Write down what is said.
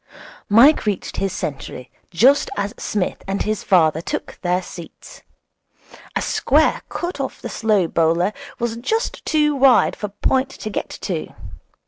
Mike reached his century just as Psmith and his father took their seats. A square cut off the slow bowler was just too wide for point to get to.